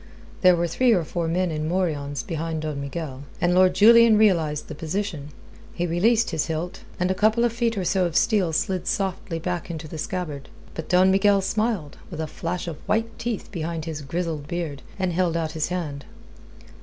There were three or four men in morions behind Don Miguel, and Lord Julian realized the position. He released his hilt, and a couple of feet or so of steel slid softly back into the scabbard. But Don Miguel smiled, with a flash of white teeth behind his grizzled beard, and held out his hand.